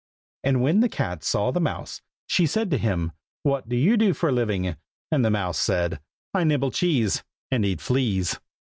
And when the cat saw the mouse, she said to him, "what do you do for a living?" And the mouse said, "I nibble cheese, And eat fleas."